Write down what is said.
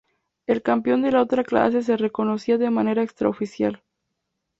El campeón de la otra clase se reconocía de manera extraoficial.